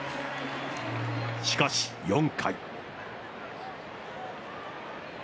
しかし４回。